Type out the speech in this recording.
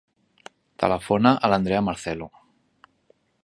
Telefona a l'Andrea Marcelo.